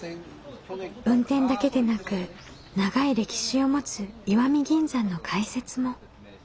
運転だけでなく長い歴史を持つ石見銀山の解説も。